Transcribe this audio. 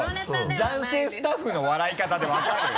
男性スタッフの笑い方でわかるよ。